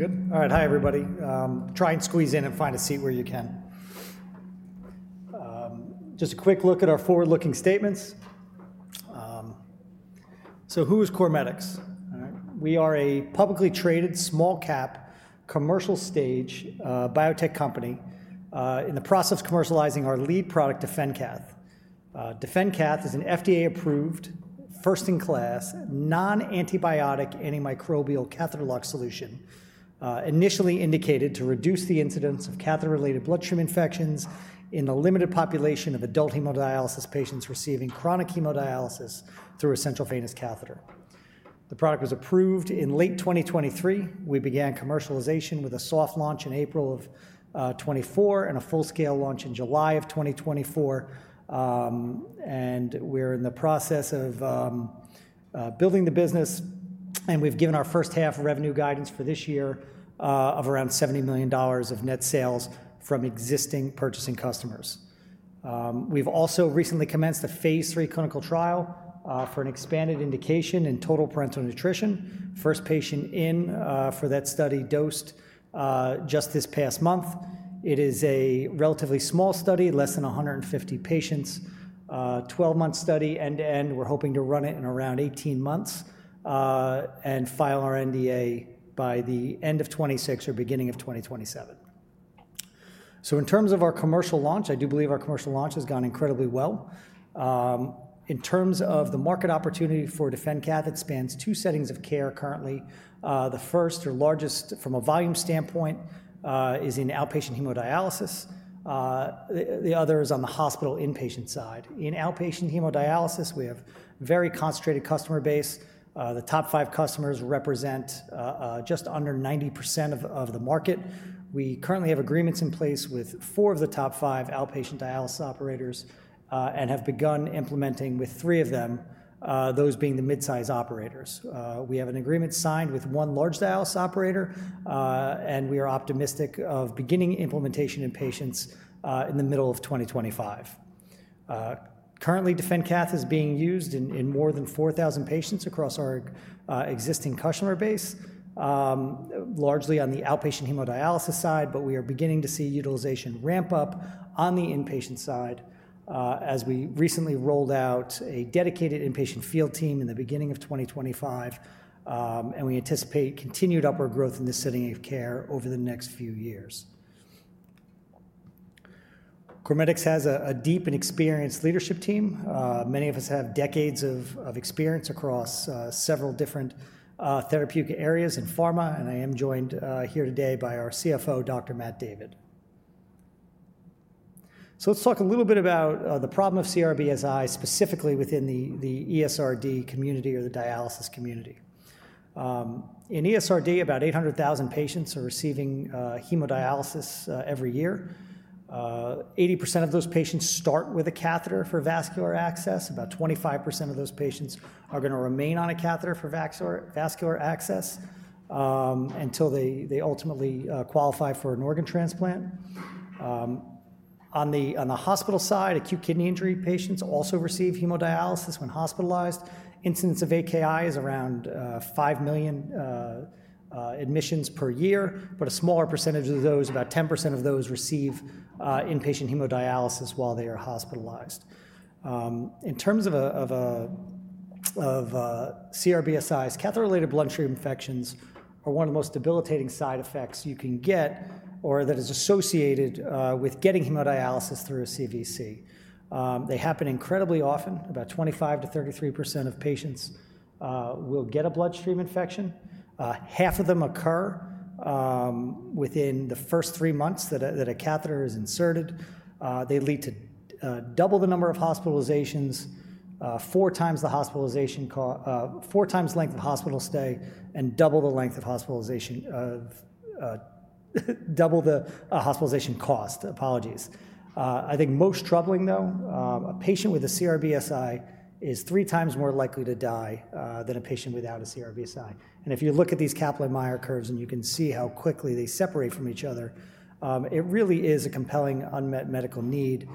We're good? All right, hi everybody. Try and squeeze in and find a seat where you can. Just a quick look at our forward-looking statements. So who is CorMedix? We are a publicly traded small-cap commercial stage biotech company in the process of commercializing our lead product, DefenCath. DefenCath is an FDA-approved, first-in-class, non-antibiotic antimicrobial catheter-lock solution, initially indicated to reduce the incidence of catheter-related bloodstream infections in the limited population of adult hemodialysis patients receiving chronic hemodialysis through a central venous catheter. The product was approved in late 2023. We began commercialization with a soft launch in April of 2024 and a full-scale launch in July of 2024. We are in the process of building the business, and we've given our first half revenue guidance for this year of around $70 million of net sales from existing purchasing customers. We've also recently commenced a phase three clinical trial for an expanded indication in total parenteral nutrition. First patient in for that study dosed just this past month. It is a relatively small study, less than 150 patients, a 12-month study end-to-end. We're hoping to run it in around 18 months and file our NDA by the end of 2026 or beginning of 2027. In terms of our commercial launch, I do believe our commercial launch has gone incredibly well. In terms of the market opportunity for DefenCath, it spans two settings of care currently. The first, or largest from a volume standpoint, is in outpatient hemodialysis. The other is on the hospital inpatient side. In outpatient hemodialysis, we have a very concentrated customer base. The top five customers represent just under 90% of the market. We currently have agreements in place with four of the top five outpatient dialysis operators and have begun implementing with three of them, those being the mid-size operators. We have an agreement signed with one large dialysis operator, and we are optimistic of beginning implementation in patients in the middle of 2025. Currently, DefenCath is being used in more than 4,000 patients across our existing customer base, largely on the outpatient hemodialysis side, but we are beginning to see utilization ramp up on the inpatient side as we recently rolled out a dedicated inpatient field team in the beginning of 2025. We anticipate continued upward growth in this setting of care over the next few years. CorMedix has a deep and experienced leadership team. Many of us have decades of experience across several different therapeutic areas in pharma, and I am joined here today by our CFO, Dr. Matt David. Let's talk a little bit about the problem of CRBSI, specifically within the ESRD community or the dialysis community. In ESRD, about 800,000 patients are receiving hemodialysis every year. 80% of those patients start with a catheter for vascular access. About 25% of those patients are going to remain on a catheter for vascular access until they ultimately qualify for an organ transplant. On the hospital side, acute kidney injury patients also receive hemodialysis when hospitalized. Incidence of AKI is around 5 million admissions per year, but a smaller percentage of those, about 10% of those, receive inpatient hemodialysis while they are hospitalized. In terms of CRBSIs, catheter-related bloodstream infections are one of the most debilitating side effects you can get or that is associated with getting hemodialysis through a CVC. They happen incredibly often. About 25%-33% of patients will get a bloodstream infection. Half of them occur within the first three months that a catheter is inserted. They lead to double the number of hospitalizations, four times the length of hospital stay, and double the length of hospitalization cost. Apologies. I think most troubling, though, a patient with a CRBSI is three times more likely to die than a patient without a CRBSI. If you look at these Kaplan-Meier curves and you can see how quickly they separate from each other, it really is a compelling unmet medical need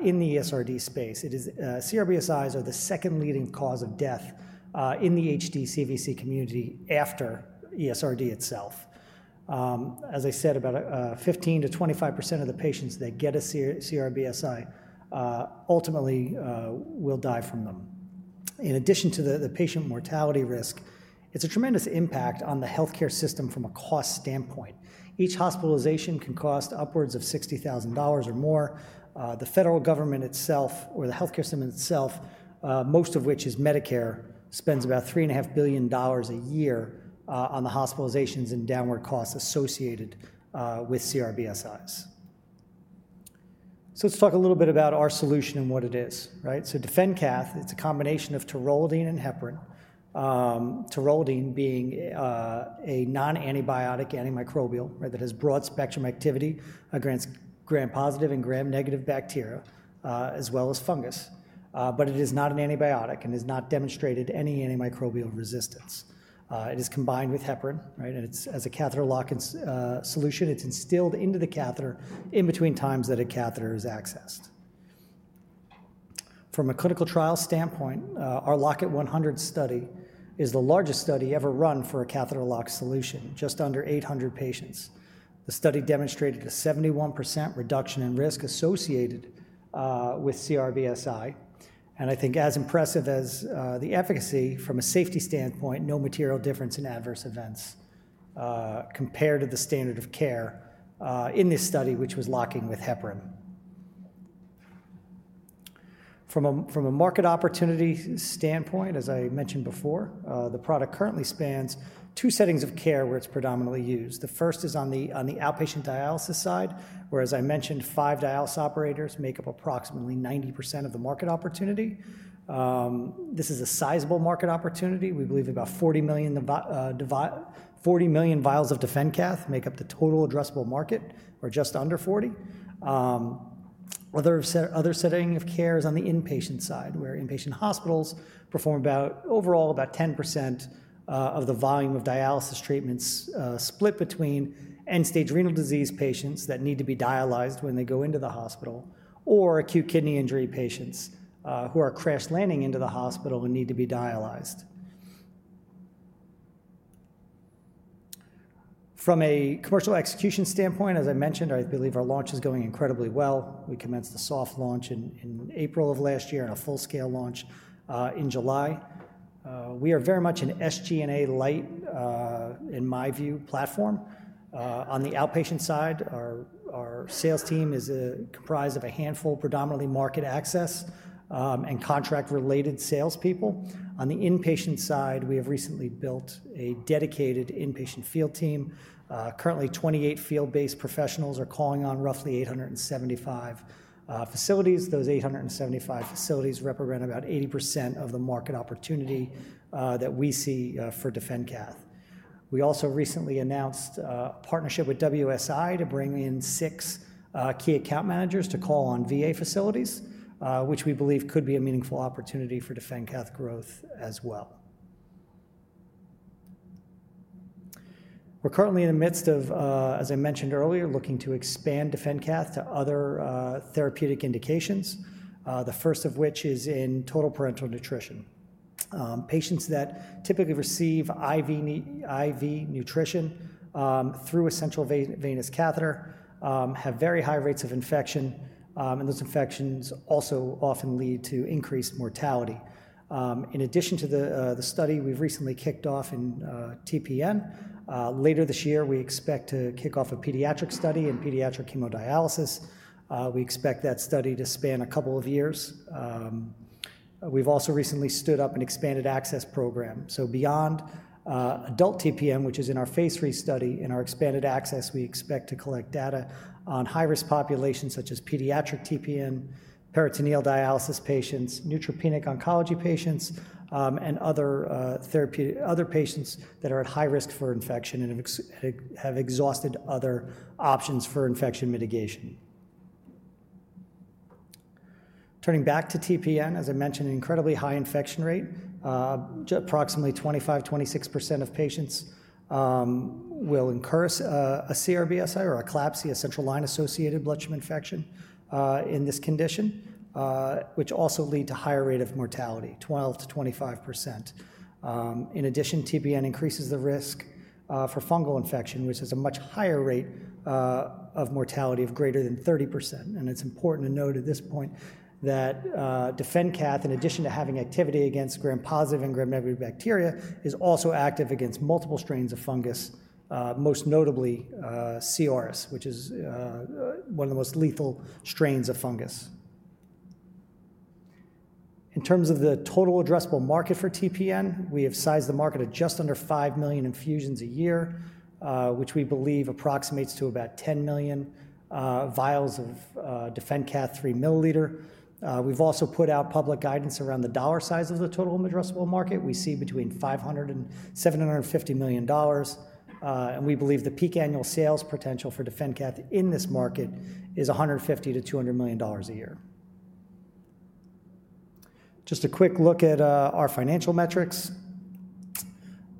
in the ESRD space. CRBSIs are the second leading cause of death in the HD CVC community after ESRD itself. As I said, about 15%-25% of the patients that get a CRBSI ultimately will die from them. In addition to the patient mortality risk, it is a tremendous impact on the healthcare system from a cost standpoint. Each hospitalization can cost upwards of $60,000 or more. The federal government itself, or the healthcare system itself, most of which is Medicare, spends about $3.5 billion a year on the hospitalizations and downward costs associated with CRBSIs. Let's talk a little bit about our solution and what it is. DefenCath, it's a combination of taurolidine and heparin. Taurolidine being a non-antibiotic antimicrobial that has broad spectrum activity, gram-positive and gram-negative bacteria, as well as fungus. It is not an antibiotic and has not demonstrated any antimicrobial resistance. It is combined with heparin. As a catheter-lock solution, it's instilled into the catheter in between times that a catheter is accessed. From a clinical trial standpoint, our Lock-It 100 study is the largest study ever run for a catheter-lock solution, just under 800 patients. The study demonstrated a 71% reduction in risk associated with CRBSI. I think as impressive as the efficacy from a safety standpoint, no material difference in adverse events compared to the standard of care in this study, which was locking with heparin. From a market opportunity standpoint, as I mentioned before, the product currently spans two settings of care where it's predominantly used. The first is on the outpatient dialysis side, where, as I mentioned, five dialysis operators make up approximately 90% of the market opportunity. This is a sizable market opportunity. We believe about 40 million vials of DefenCath make up the total addressable market, or just under 40. Other setting of care is on the inpatient side, where inpatient hospitals perform overall about 10% of the volume of dialysis treatments split between end-stage renal disease patients that need to be dialyzed when they go into the hospital or acute kidney injury patients who are crash-landing into the hospital and need to be dialyzed. From a commercial execution standpoint, as I mentioned, I believe our launch is going incredibly well. We commenced a soft launch in April of last year and a full-scale launch in July. We are very much an SG&A-light, in my view, platform. On the outpatient side, our sales team is comprised of a handful, predominantly market access and contract-related salespeople. On the inpatient side, we have recently built a dedicated inpatient field team. Currently, 28 field-based professionals are calling on roughly 875 facilities. Those 875 facilities represent about 80% of the market opportunity that we see for DefenCath. We also recently announced a partnership with WSI to bring in six key account managers to call on VA facilities, which we believe could be a meaningful opportunity for DefenCath growth as well. We're currently in the midst of, as I mentioned earlier, looking to expand DefenCath to other therapeutic indications, the first of which is in total parenteral nutrition. Patients that typically receive IV nutrition through a central venous catheter have very high rates of infection, and those infections also often lead to increased mortality. In addition to the study we've recently kicked off in TPN, later this year, we expect to kick off a pediatric study in pediatric hemodialysis. We expect that study to span a couple of years. We've also recently stood up an expanded access program. Beyond adult TPN, which is in our phase three study, in our expanded access, we expect to collect data on high-risk populations such as pediatric TPN, peritoneal dialysis patients, neutropenic oncology patients, and other patients that are at high risk for infection and have exhausted other options for infection mitigation. Turning back to TPN, as I mentioned, incredibly high infection rate, approximately 25%-26% of patients will incur a CRBSI or a CLABSI, a central line-associated bloodstream infection in this condition, which also leads to a higher rate of mortality, 12%-25%. In addition, TPN increases the risk for fungal infection, which is a much higher rate of mortality of greater than 30%. It's important to note at this point that DefenCath, in addition to having activity against gram-positive and gram-negative bacteria, is also active against multiple strains of fungus, most notably C. auris, which is one of the most lethal strains of fungus. In terms of the total addressable market for TPN, we have sized the market at just under 5 million infusions a year, which we believe approximates to about 10 million vials of DefenCath 3 mL. We have also put out public guidance around the dollar size of the total addressable market. We see between $500 million and $750 million. We believe the peak annual sales potential for DefenCath in this market is $150 million-$200 million a year. Just a quick look at our financial metrics.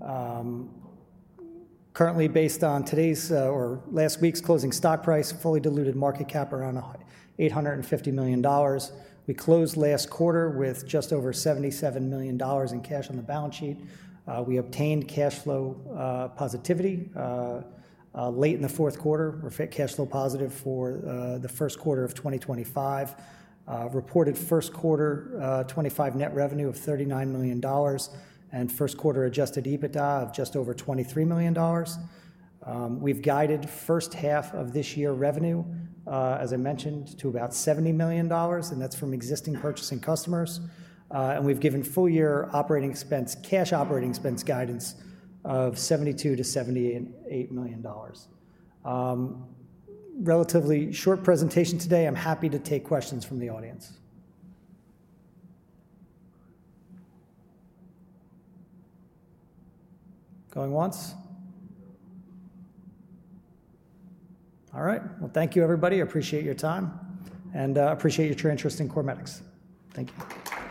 Currently, based on today's or last week's closing stock price, fully diluted market cap around $850 million. We closed last quarter with just over $77 million in cash on the balance sheet. We obtained cash flow positivity late in the fourth quarter. We are cash flow positive for the first quarter of 2025. Reported first quarter 2025 net revenue of $39 million and first quarter adjusted EBITDA of just over $23 million. We've guided first half of this year revenue, as I mentioned, to about $70 million, and that's from existing purchasing customers. And we've given full-year cash operating expense guidance of $72-$78 million. Relatively short presentation today. I'm happy to take questions from the audience. Going once? All right. Thank you, everybody. Appreciate your time and appreciate your interest in CorMedix. Thank you.